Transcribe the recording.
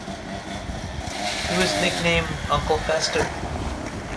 He was nickname Uncle Fester.